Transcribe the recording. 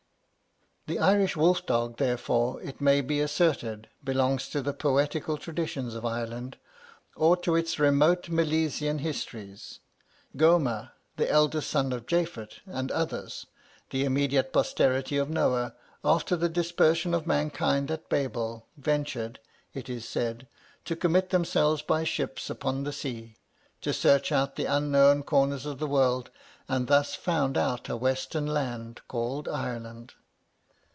"The Irish wolf dog, therefore, it may be asserted, belongs to the poetical traditions of Ireland, or to its remote Milesian histories. 'Gomer, the eldest son of Japhet, and others, the immediate posterity of Noah, after the dispersion of mankind at Babel, ventured (it is said), to 'commit themselves by ships upon the sea,' to search out the unknown corners of the world, and thus found out a western land called Ireland.'